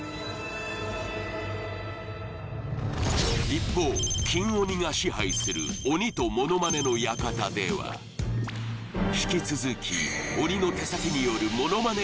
一方金鬼が支配する鬼とモノマネの館では引き続き鬼の手先によるモノマネ